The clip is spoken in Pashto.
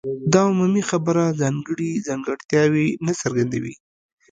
دا عمومي خبره ځانګړي ځانګړتیاوې نه څرګندوي.